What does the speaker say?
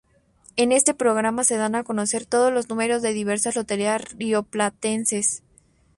En este programa se dan a conocer todos los números de diversas loterías rioplatenses.